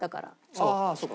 そう。